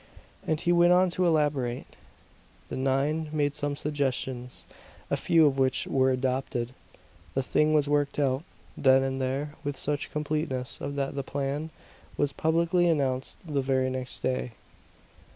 And he went on to elaborate. The nine made some suggestions, a few of which were adopted. The thing was worked out, then and there, with such completeness that the plan was publicly announced the very next day.